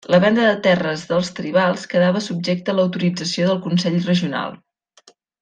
La venda de terres dels tribals quedava subjecte a l'autorització del consell regional.